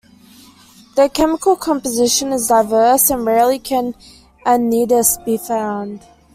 Their chemical composition is diverse, and rarely can a nidus be found.